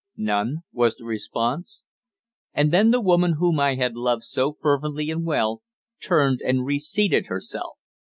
"None," was the response. And then the woman whom I had loved so fervently and well, turned and re seated herself.